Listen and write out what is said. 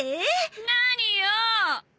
何よ！